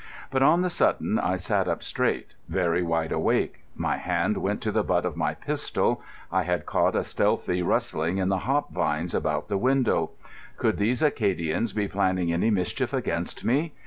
But on the sudden I sat up straight, very wide awake. My hand went to the butt of my pistol. I had caught a stealthy rustling in the hop vines about the window. Could these Acadians be planning any mischief against me?